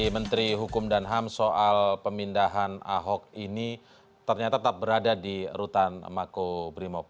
menteri hukum dan ham soal pemindahan ahok ini ternyata tetap berada di rutan mako brimob